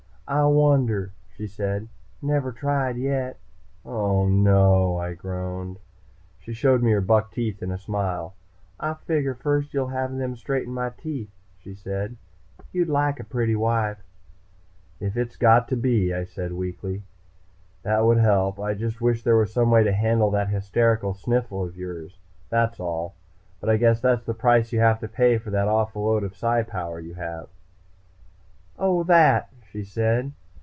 "I wonder," she said. "Never tried, yet." "Oh, no!" I groaned. She showed me her buck teeth in a smile. "I figger first you'll have them straighten my teeth," she said. "You'd like a pretty wife." "If it's got to be," I said weakly. "That would help. I just wish there was some way to handle that hysterical sniffle of yours, that's all. But I guess that's the price you have to pay for that awful load of Psi power you have." "Oh, that," she said.